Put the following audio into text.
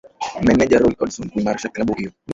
meneja roy hudson kuimarisha klabu hiyo